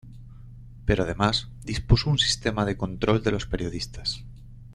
Pero además, dispuso un sistema de control de los periodistas.